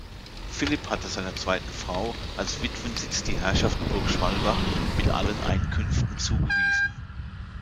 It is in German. Philipp hatte seiner zweiten Frau als Witwensitz die Herrschaft Burgschwalbach mit allen Einkünften zugewiesen.